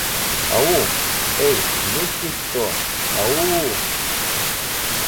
Ау? Эй, есть здесь кто? Ау-у?